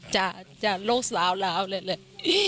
จากโรคสาวราวเลย